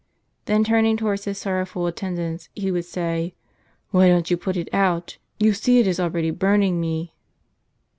Then turning towards his sorrowful attendants, he would say, "why don't you put it out? you see it is already burning me."